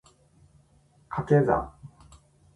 掛け算